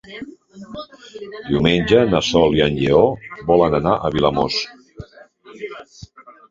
Diumenge na Sol i en Lleó volen anar a Vilamòs.